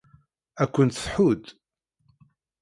Ad kent-tḥudd.